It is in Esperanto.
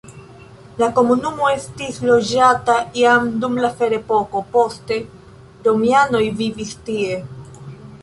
La komunumo estis loĝata jam dum la ferepoko, poste romianoj vivis tie.